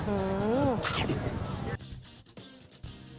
อื้อฮือ